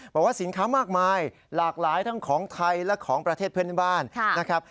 บอกว่าสินค้ามากมายหลากหลายทั้งของไทยและของประเทศเพื่อนบ้านนะครับ